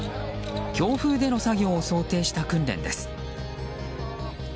強風での作業を想定した訓練です。